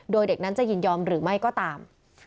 โดยเด็กนั้นจะยินยอมหรือไม่ก็ตาม